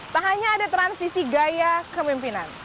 tak hanya ada transisi gaya kemimpinan